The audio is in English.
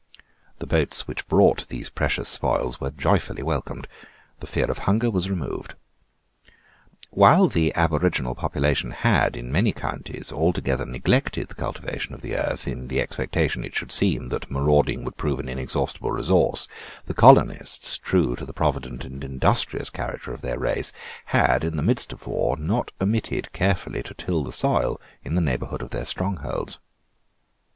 The boats which brought these precious spoils were joyfully welcomed. The fear of hunger was removed. While the aboriginal population had, in many counties, altogether neglected the cultivation of the earth, in the expectation, it should seem, that marauding would prove an inexhaustible resource, the colonists, true to the provident and industrious character of their race, had, in the midst of war, not omitted carefully to till the soil in the neighbourhood of their strongholds.